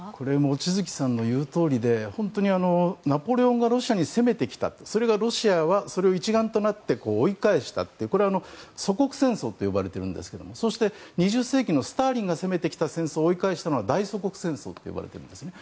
望月さんの言うとおりでナポレオンがロシアに攻めてきたロシアは一丸となって追い返した祖国戦争といわれていますがそして、２０世紀のスターリンが攻めてきた戦争を追い返したのが大祖国戦争といわれていますね。